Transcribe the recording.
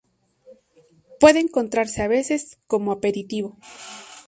Puede encontrarse a veces como aperitivo.